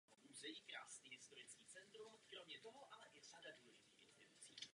Musí projít velkými překážkami jako je láska a přátelství.